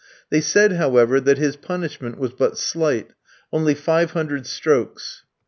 They said, however, that his punishment was but slight only five hundred strokes.